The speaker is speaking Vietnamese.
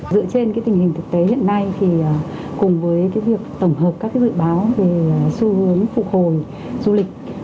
dựa trên cái tình hình thực tế hiện nay thì cùng với cái việc tổng hợp các cái dự báo về xu hướng phục hồi du lịch